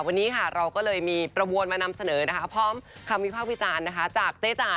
วันนี้เราก็เลยมีประววนมานำเสนอพร้อมคำวิภาควิจารณ์จากเจ๊จ่า